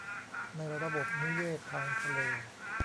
ในระบบนิเวศทางทะเล